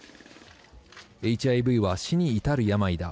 ＨＩＶは死に至る病だ。